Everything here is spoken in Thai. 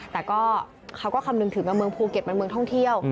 แต่ก็เขาก็คำนึงถึงเมืองภูเก็ตมันเมืองท่องเที่ยว